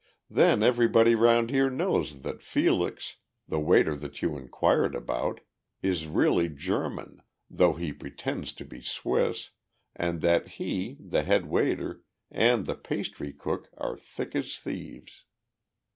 Then everybody around here knows that Felix, the waiter that you inquired about, is really German, though he pretends to be Swiss, and that he, the head waiter, and the pastry cook are thick as thieves."